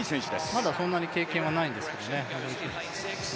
まだそんなに経験はないんですけど、いい選手ですね。